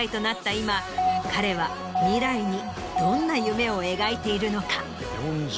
今彼は未来にどんな夢を描いているのか？